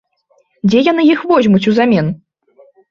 Дзе яны іх возьмуць узамен?